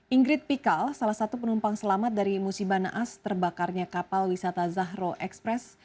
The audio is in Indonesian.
ingrid pikal salah satu penumpang selamat dari musibah naas terbakarnya kapal wisata zahro express